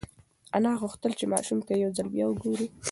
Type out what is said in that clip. انا غوښتل چې ماشوم ته یو ځل بیا وگوري.